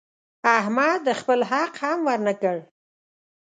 احمد خپل حق هم ونه ورکړ.